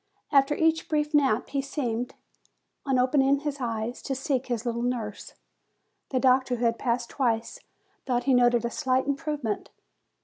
After each brief nap he seemed, on open ing his eyes, to seek his little nurse. The doctor, who had passed twice, thought he noted a slight improve ment.